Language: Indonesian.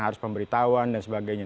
harus pemberitahuan dan sebagainya